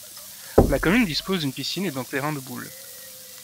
La commune dispose d'une piscine et d'un terrain de boules.